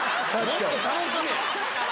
もっと楽しめ！